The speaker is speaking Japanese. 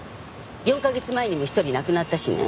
４カ月前にも１人亡くなったしね。